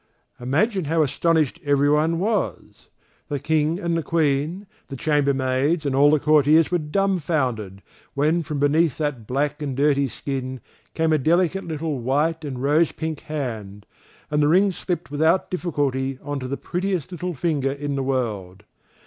Imagine how astonished everyone was! The King and the Queen, the chamberlains and all the courtiers were dumb founded, when from beneath that black and dirty skin came a delicate little white and rose pink hand, and the ring slipped without difficulty on to the prettiest little finger in the world.